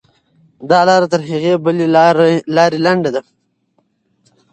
دا لاره تر هغې بلې لارې لنډه ده.